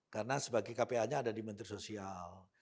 karena sebagai kpa nya ada di menteri sosial